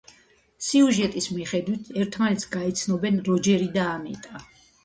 სიუჟეტის მიხედვით, ერთმანეთს გაიცნობენ როჯერი და ანიტა.